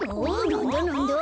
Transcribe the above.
なんだなんだ？